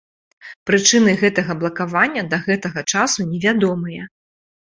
Прычыны гэтай блакавання да гэтага часу невядомыя.